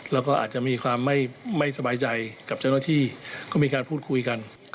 แล้วก็อาจจะมีความไม่สบายใจกับเจ้าหน้าที่ก็มีการพูดคุยกัน